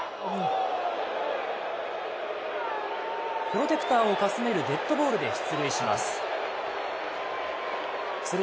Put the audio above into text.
プロテクターをかすめるデッドボールで出塁します。